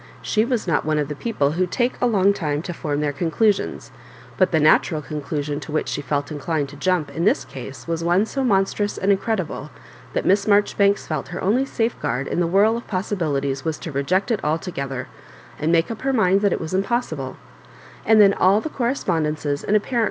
She was not one of the people who take a long time to form their oondusions; but the natural con clusion to which she felt inclined to jump in this case was one so monstrous and incredible that Miss Maijoribanks felt her only safeguard in the whirl of possibilities was to reject it altogether, and make up her mind that it was impossible ; and then all the correspondences and apparent